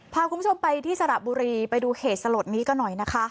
พาคุณผู้ชมไปที่สระบุรีไปดูเหตุสลดนี้ก็หน่อยนะคะ